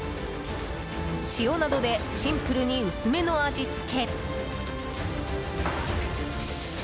塩などでシンプルに薄めの味付け。